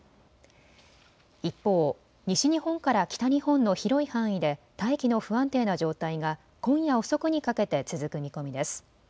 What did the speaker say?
一方、西日本から北日本の広い範囲で大気の不安定な状態が今夜遅くにかけて続く見込みです。